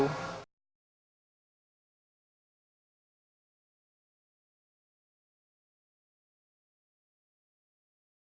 kalau misalnya tidak setuju ya terbitkan saja perbu